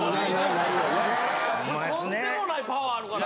とんでもないパワーあるから。